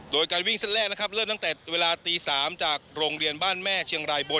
โดยการวิ่งเส้นแรกนะครับเริ่มตั้งแต่เวลาตี๓จากโรงเรียนบ้านแม่เชียงรายบน